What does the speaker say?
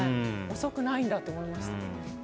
遅くないんだって思いました。